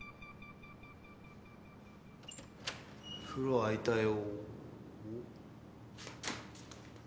風呂あいたよ。